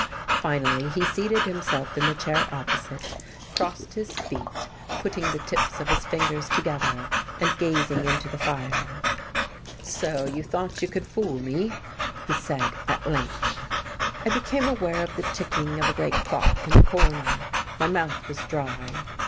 Finally he seated himself in the chair opposite, crossed his feet, putting the tips of his fingers together and gazing into the fire. "So you thought you could fool me," he said, at length. I became aware of the ticking of a great clock in the corner. My mouth was dry.